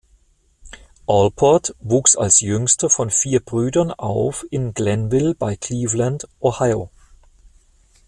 Allport wuchs als jüngster von vier Brüdern auf in Glenville bei Cleveland, Ohio.